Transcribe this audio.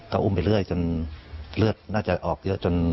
ก็อุ้มไปเรื่อยจนเลือดน่าจะออกเยอะจน